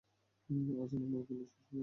আজান, আমার গুলি শেষ আবরার, যাও।